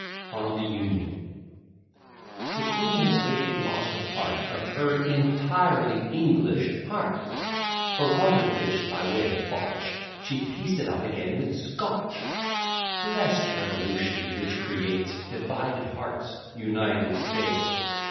] ON THE UNION The queen has lately lost a part Of her ENTIRELY ENGLISH heart, For want of which, by way of botch, She pieced it up again with SCOTCH. Blest revolution! which creates Divided hearts, united states!